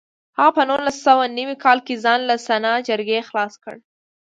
هغه په نولس سوه نوي کال کې ځان له سنا جرګې خلاص کړ.